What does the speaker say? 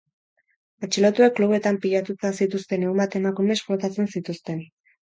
Atxilotuek klubetan pilatuta zituzten ehun bat emakume esplotatzen zituzten.